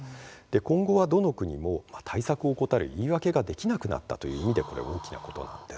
今後はどの国も対策を怠る言い訳ができなくなったというのが大きな点です。